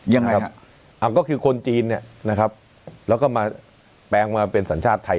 ยังไงครับก็คือคนจีนเนี่ยนะครับแล้วก็มาแปลงมาเป็นสัญชาติไทย